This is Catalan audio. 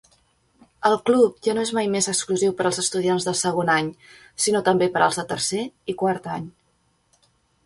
El club ja no és mai més exclusiu per als estudiants de segon any, sinó també per als de tercer y quart any.